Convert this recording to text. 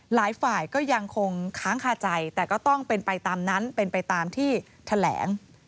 หลายฝ่ายก็ยังคงค้างคาใจแต่ก็ต้องเป็นไปตามนั้นเป็นไปตามที่แถลง